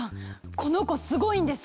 この子すごいんです！